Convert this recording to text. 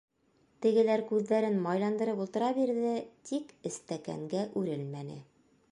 Тегеләр күҙҙәрен майландырып ултыра бирҙе, тик эстәкәнгә үрелмәне.